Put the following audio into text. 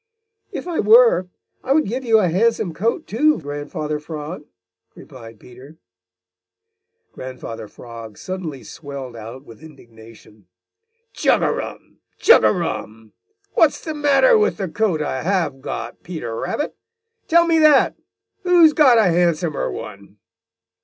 "If I were, I would give you a handsome coat, too, Grandfather Frog," replied Peter. Grandfather Frog suddenly swelled out with indignation. "Chug a rum! Chug a rum! What's the matter with the coat I have got, Peter Rabbit? Tell me that! Who's got a handsomer one?"